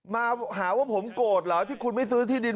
มาหาว่าผมโกรธเหรอที่คุณไม่ซื้อที่ดิน